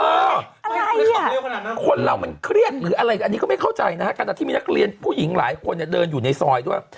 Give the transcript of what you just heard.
อะไรอ่ะคนเรามันเครียดอันนี้ก็ไม่เข้าใจนะครับจากที่มีนักเรียนผู้หญิงหลายคนเนี่ยเดินอยู่ในซอยด้วย